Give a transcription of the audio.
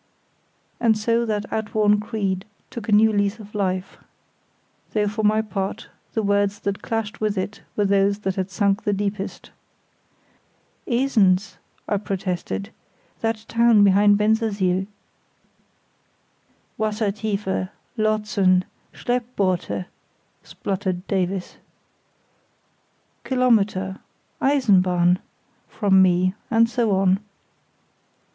And so that outworn creed took a new lease of life; though for my part the words that clashed with it were those that had sunk the deepest. "Esens," I protested; "that town behind Bensersiel." "Wassertiefe, Lotsen, Schleppboote," spluttered Davies. "Kilometre—Eisenbahn," from me, and so on.